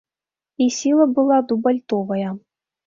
І сіла была дубальтовая.